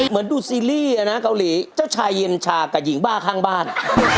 เหมือนดูซีรีส์นะเกาหลีเจ้าชายเย็นชากับหญิงบ้าข้างบ้าน